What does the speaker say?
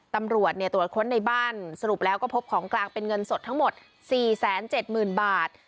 ตำรวจตรวจค้นในบ้านสรุปแล้วก็พบของกลางเป็นเงินสดทั้งหมด๔๗๐๐๐บาท